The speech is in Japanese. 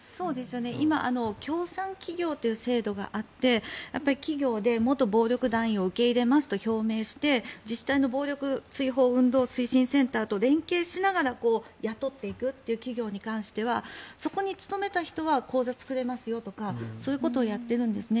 今、協賛企業という制度があって企業で元暴力団員を受け入れますと表明して自治体の暴力追放運動推進センターと連携しながら雇っていくという企業に関してはそこに勤めた人は口座を作れますよとかそういうことをやっているんですね。